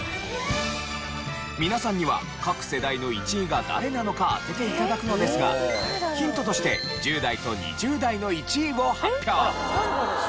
皆さんには各世代の１位が誰なのか当てて頂くのですがヒントとして１０代と２０代の１位を発表。